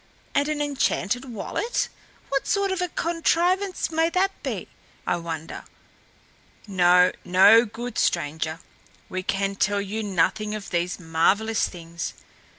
And an enchanted wallet! What sort of a contrivance may that be, I wonder? No, no, good stranger! we can tell you nothing of these marvelous things.